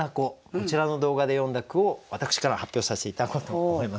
こちらの動画で詠んだ句を私から発表させて頂こうと思います。